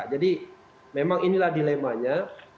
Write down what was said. jadi memang inilah dilemanya